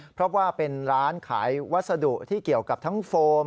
เพราะว่าเป็นร้านขายวัสดุที่เกี่ยวกับทั้งโฟม